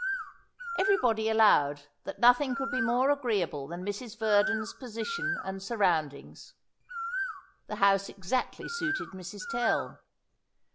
Everybody allowed that nothing could be more agreeable than Mrs. Verdon's position and surroundings. The house exactly suited Mrs. Tell.